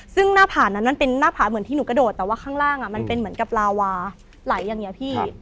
ซึ่งหน้าผานั้นมันเป็นหน้าผาเหมือนที่หนูกระโดดแต่ว่าข้างล่างมันเป็นเหมือนกับลาวาไหลอย่างนี้พี่